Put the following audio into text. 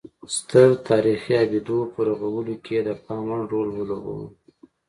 ستر تاریخي ابدو په رغولو کې یې د پام وړ رول ولوباوه